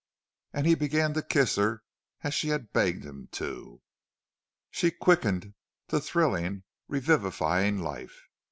And he began to kiss her as she had begged him to. She quickened to thrilling, revivifying life.